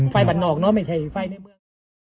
ไฟหวั่นหนอกเนาะไม่ใช่ไฟในเบื้อง